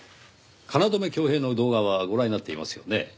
京匡平の動画はご覧になっていますよね？